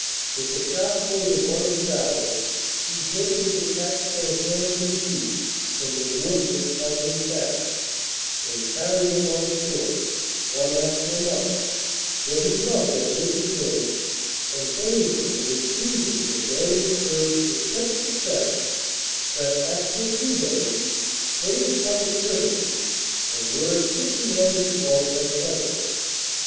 With the sharp point of one of his arrows he gently detached their hands and feet from the wood which held them fast, and carried them on shore, one after another, where he rubbed their rigid limbs, and bathed them with infusions of various herbs with such success, that, after a few days, they recovered perfectly and were as fit to manage a boat as ever.